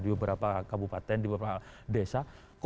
di beberapa kabupaten di beberapa desa